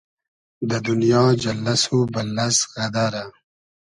دۂ دونیا جئللئس و بئللئس غئدئرۂ